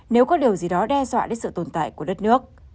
nếu có điều gì đó đe dọa đến sự tồn tại của đất nước